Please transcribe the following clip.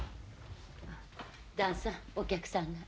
旦さんお客さんが。